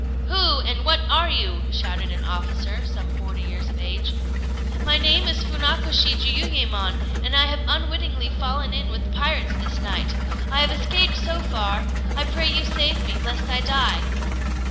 "Who and what are you?" shouted an officer, some forty years of age. "My name is Funakoshi Jiuyémon, and I have unwittingly fallen in with pirates this night. I have escaped so far: I pray you save me, lest I die."